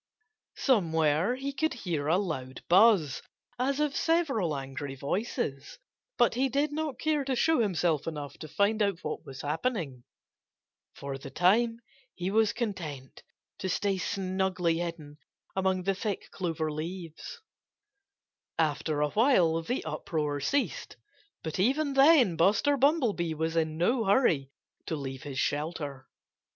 Somewhere he could hear a loud buzz, as of several angry voices. But he did not care to show himself enough to find out what was happening. For the time being he was content to stay snugly hidden among the thick clover leaves. [Illustration: Buster Shouted For Everybody to Keep Quiet. (Page 48)] After a while the uproar ceased. But even then Buster Bumblebee was in no hurry to leave his shelter.